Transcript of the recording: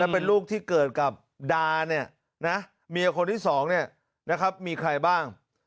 เป็นลูกที่เกิดกับดาเนี่ยนะเมียคนที่๒มีใครบ้าง